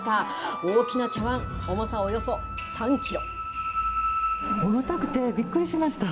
大きな茶わん、重さおよそ３キロ。